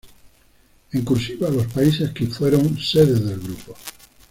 En "cursiva", los países que fueron sede del grupo.